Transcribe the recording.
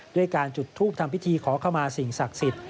ด้วยการจุดทูปทำพิธีขอเข้ามาสิ่งศักดิ์สิทธิ์